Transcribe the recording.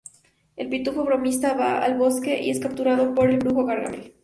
El Pitufo Bromista va al bosque y es capturado por el brujo Gargamel.